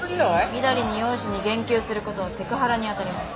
みだりに容姿に言及することはセクハラに当たります。